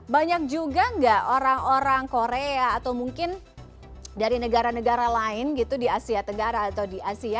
banyak juga nggak orang orang korea atau mungkin dari negara negara lain gitu di asia tenggara atau di asia